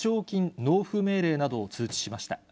納付命令などを通知しました。